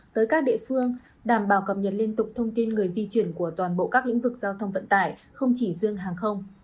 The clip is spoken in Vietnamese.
tới các địa phương đảm bảo cập nhật liên tục thông tin người di chuyển của toàn bộ các lĩnh vực giao thông vận tải không chỉ riêng hàng không